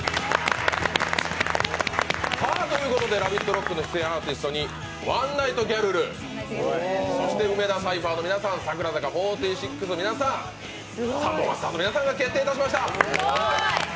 ＲＯＣＫの出演アーティストにワンナイトギャルル、そして梅田サイファーの皆さん、櫻坂４６の皆さん、サンボマスターの皆さんが決定しました。